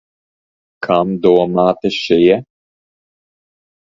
Kam domāti šie?